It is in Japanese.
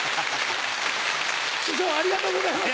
師匠ありがとうございました。